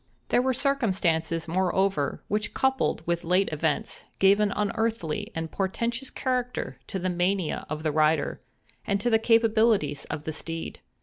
There were circumstances, moreover, which coupled with late events, gave an unearthly and portentous character to the mania of the rider, and to the capabilities of the steed.